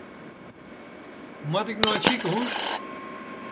Moat ik nei it sikehûs?